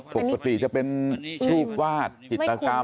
ปกติจะเป็นรูปวาดจิตกรรม